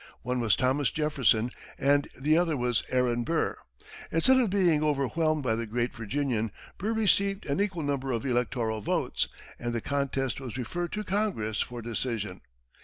One was Thomas Jefferson and the other was Aaron Burr. Instead of being overwhelmed by the great Virginian, Burr received an equal number of electoral votes, and the contest was referred to Congress for decision.